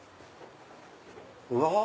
うわ！